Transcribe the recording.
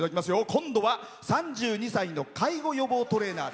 今度は３２歳の介護予防トレーナー。